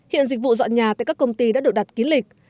hiện dịch vụ dọn nhà tại các công ty đã được đặt ký lịch